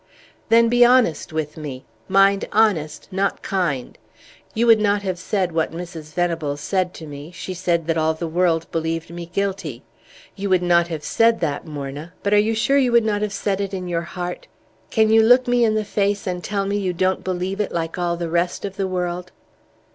"Then be honest with me mind, honest not kind! You would not have said what Mrs. Venables said to me; she said that all the world believed me guilty. You would not have said that, Morna; but are you sure you would not have said it in your heart? Can you look me in the face and tell me you don't believe it, like all the rest of the world?"